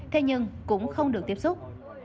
thế nhưng cũng không được tiếp xúc